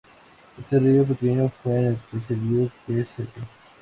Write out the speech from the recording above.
Este río pequeño fue en el que se dijo que St.